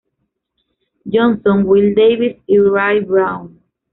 Johnson, Will Davis y Ray Brown.